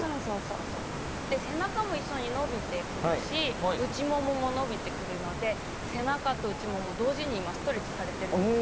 背中を一緒に伸びていくし内ももも伸びてくるので背中と内ももを同時にストレッチされてるんです。